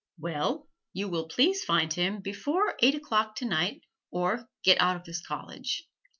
"Well, you will please find Him before eight o'clock tonight or get out of this college."